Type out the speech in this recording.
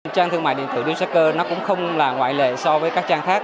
trang thương mại điện tử điều xác cơ nó cũng không là ngoại lệ so với các trang khác